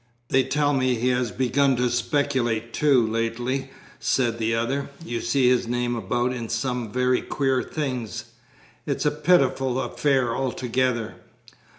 "They tell me he has begun to speculate, too, lately," said the other. "You see his name about in some very queer things. It's a pitiful affair altogether."